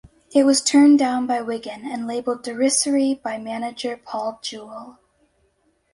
It was turned down by Wigan and labelled "derisory" by manager Paul Jewell.